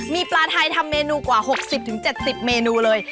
มีปลาไทยทำเมนูกว่า๖๐๗๐เมนูเลย